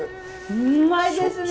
うまいですね！